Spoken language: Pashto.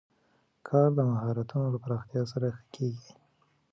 کار د مهارتونو له پراختیا سره ښه کېږي